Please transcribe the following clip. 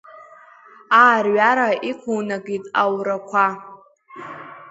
Аарҩара иқунакит аурақуа.